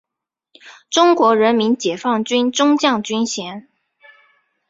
中国人民解放军中将军衔。